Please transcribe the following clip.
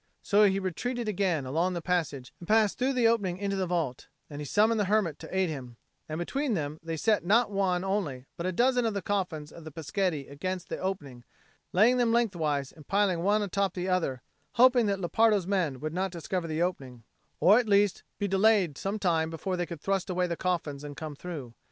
So he retreated again along the passage and passed through the opening into the vault; and he summoned the hermit to aid him, and between them they set not one only, but a dozen of the coffins of the Peschetti against the opening, laying them lengthwise and piling one on the top of the other hoping that Lepardo's men would not discover the opening, or would at least be delayed some time before they could thrust away the coffins and come through.